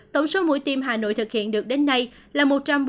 tổng số mũi tiêm hà nội thực hiện được đến nay là một trăm bốn mươi